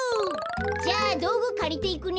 じゃあどうぐかりていくね。